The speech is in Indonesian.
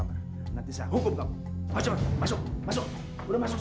masuk masuk masuk